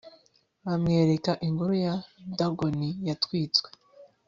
bamwereka ingoro ya dagoni yatwitswe